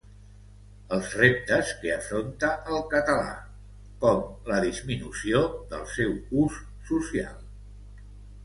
Els reptes que afronta el català, com la disminució del seu ús social